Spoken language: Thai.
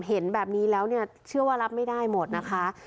เห็นแบบนี้แล้วเนี่ยเชื่อว่ารับไม่ได้หมดนะคะ